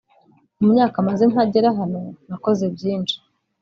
mu myaka maze ntagera hano nakoze byinshi